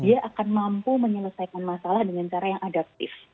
dia akan mampu menyelesaikan masalah dengan cara yang adaptif